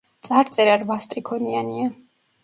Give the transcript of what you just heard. წარწერა რვა სტრიქონიანია.